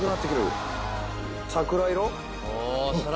桜色？